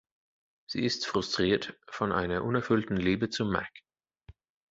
Sie ist frustriert von einer unerfüllten Liebe zu Mack.